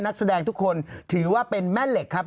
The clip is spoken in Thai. นักแสดงทุกคนถือว่าเป็นแม่เหล็กครับ